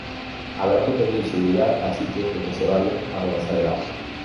habrá que pedir seguridad al sitio dónde se vaya a organizar el acto